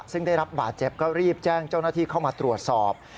ซึ่งได้รับบาดเจ็บก็รีบแจ้งเจ้าหน้าที่เข้ามาตรวจสอบ